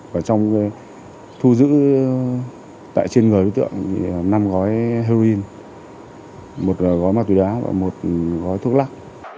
và trong thu giữ tại trên người đối tượng năm gói heroin một gói ma túy đá và một gói thuốc lắc